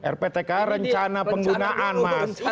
rptka rencana penggunaan mas